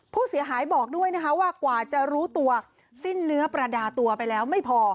ผู้เสียหายบอกด้วยนะคะว่ากว่าจะรู้ตัวสิ้นเนื้อประดาตัวไปแล้วไม่พอ